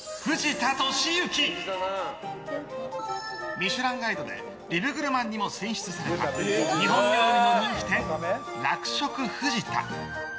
「ミシュランガイド」でビブグルマンにも選出された日本料理の人気店、楽食ふじた。